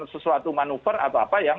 sesuatu manuver atau apa yang